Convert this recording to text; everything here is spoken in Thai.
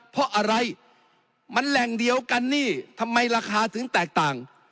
เพราะอะไรมันแหล่งเดียวกันนี่ทำไมราคาถึงแตกต่าง